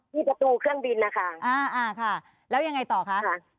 ที่ประตูเครื่องบินค่ะแล้วยังไงต่อค่ะ